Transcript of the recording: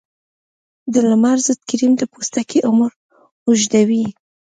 د لمر ضد کریم د پوستکي عمر اوږدوي.